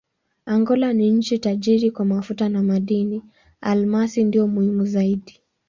Angola ni nchi tajiri kwa mafuta na madini: almasi ndiyo muhimu zaidi.